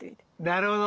なるほど！